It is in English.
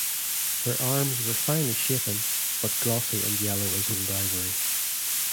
Her arms were finely shapen, but glossy and yellow as old ivory.